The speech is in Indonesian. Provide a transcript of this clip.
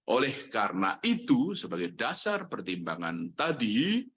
oleh karena itu sebagai dasar pertimbangan tadi